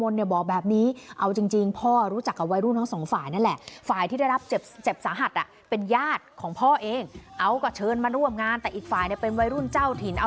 แล้วมีผู้หญิงผู้หญิงแค่สี่ห้าคน